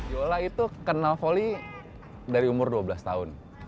yola itu kenal volley dari umur dua belas tahun